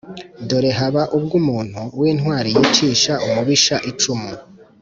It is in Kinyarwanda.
dore haba ubwo umuntu w’intwari yicisha umubisha icumu;